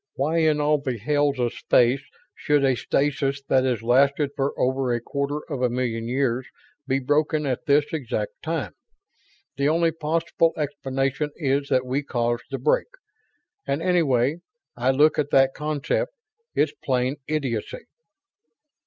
Why in all the hells of space should a stasis that has lasted for over a quarter of a million years be broken at this exact time? The only possible explanation is that we caused the break. And any way I look at that concept, it's plain idiocy."